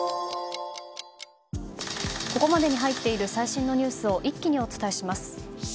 ここまでに入っている最新のニュースを一気にお伝えします。